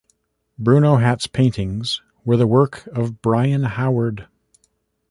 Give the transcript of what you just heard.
Bruno Hat's paintings were the work of Brian Howard.